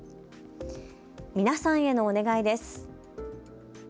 皆さんへのお願いです。